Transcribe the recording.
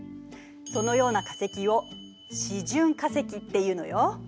そのような化石を「示準化石」っていうのよ。